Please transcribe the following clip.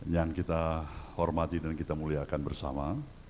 yang kita hormati dan kita muliakan bersama